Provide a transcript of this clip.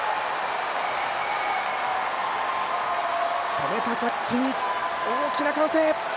止めた着地に大きな歓声！